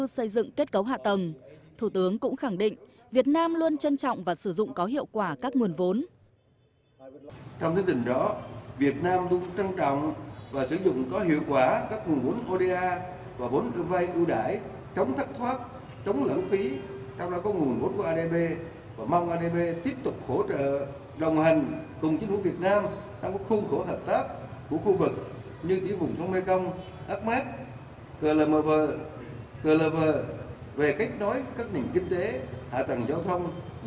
xây dựng kết cấu hạ tầng thủ tướng cũng khẳng định việt nam luôn trân trọng và sử dụng có hiệu quả các nguồn vốn